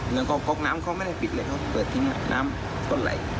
แล้วก็น้ำเขาไม่ได้ปิดเลยเขาเปิดทิ้งน้ำต้นไหล